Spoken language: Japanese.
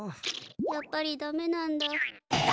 やっぱりダメなんだ。